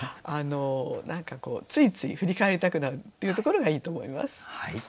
何かついつい振り返りたくなるっていうところがいいと思います。